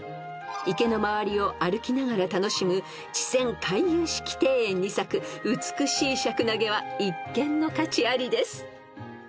［池の周りを歩きながら楽しむ池泉回遊式庭園に咲く美しいシャクナゲは一見の価値ありです］